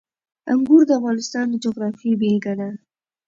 انګور د افغانستان د جغرافیې بېلګه ده.